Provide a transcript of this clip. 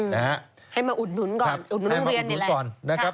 ให้มาอุดหนุนเรียนเข้ยแหละ